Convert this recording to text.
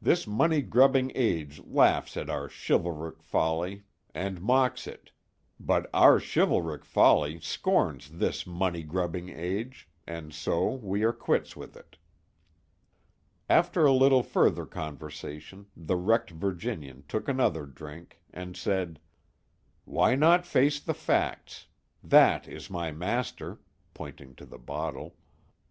This money grubbing age laughs at our chivalric folly and mocks it; but our chivalric folly scorns this money grubbing age, and so we are quits with it." After a little further conversation, the wrecked Virginian took another drink, and said: "Why not face the facts? That is my master" pointing to the bottle.